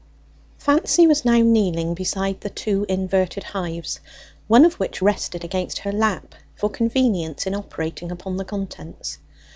Fancy was now kneeling beside the two inverted hives, one of which rested against her lap, for convenience in operating upon the contents.